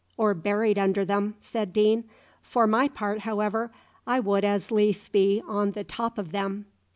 "Or buried under them," said Deane. "For my part, however, I would as lief be on the top of them."